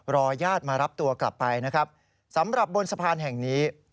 ญาติมารับตัวกลับไปนะครับสำหรับบนสะพานแห่งนี้